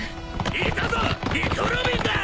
いたぞニコ・ロビンだ！